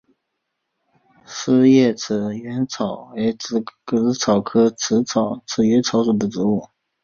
匙叶齿缘草为紫草科齿缘草属的植物。